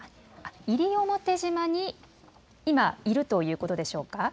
西表島に今いるということでしょうか。